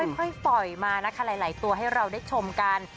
ค่อยปล่อยมานะคะหลายตัวให้เราได้ชมกัน